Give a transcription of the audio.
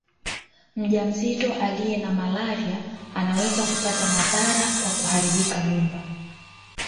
Mjamzito aliye na malaria anaweza kupata madhara kwa kuharibika mimba